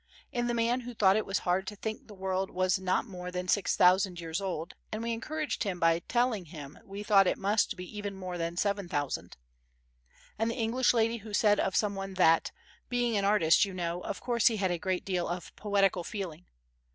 And the man who said it was hard to think the world was not more than 6000 years old, and we encouraged him by telling him we thought it must be even more than 7000. And the English lady who said of some one that "being an artist, you know, of course he had a great deal of poetical feeling."